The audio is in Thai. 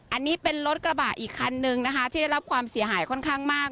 อันนี้เป็นรถกระบะอีกคันนึงนะคะที่ได้รับความเสียหายค่อนข้างมาก